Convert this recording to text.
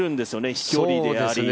飛距離であり。